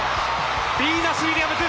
ビーナス・ウィリアムズ。